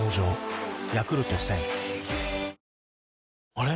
あれ？